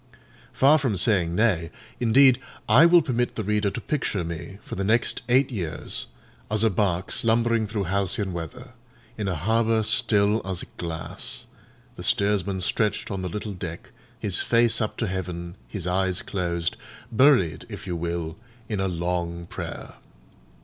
Far from saying nay, indeed, I will permit the reader to picture me, for the next eight years, as a bark slumbering through halcyon weather, in a harbour still as glass—the steersman stretched on the little deck, his face up to heaven, his eyes closed: buried, if you will, in a long prayer.